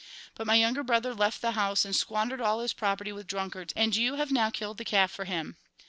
But my younger brother left the house and squandered all his property with drunkards, and you have now killed the calf for him.'